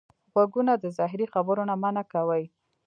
غوږونه د زهري خبرو نه منع کوي